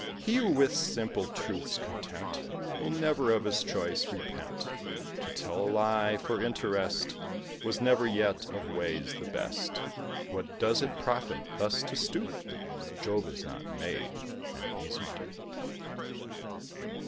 He who with simple truth's content, Will never of his choice repent: To tell a lie for interest, Was never yet of ways the best. What does it profit thus to stoop? Jove is not made an easy dupe.